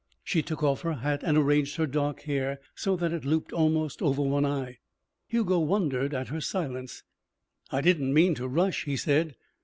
She took off her hat and arranged her dark hair so that it looped almost over one eye. Hugo wondered at her silence. "I didn't mean to rush," he said.